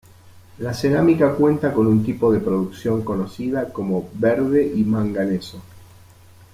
La cerámica cuenta con un tipo de producción conocida como "verde y manganeso".